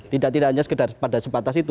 tidak tidak hanya sekedar pada sebatas itu